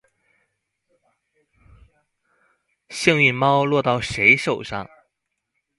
幸運貓落到誰手上